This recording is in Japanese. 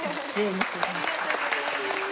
ありがとうございます。